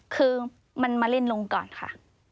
คือมันมาเล่นลงก่อนค่ะ